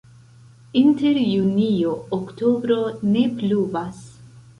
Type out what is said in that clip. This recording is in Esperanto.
Inter junio-oktobro ne pluvas.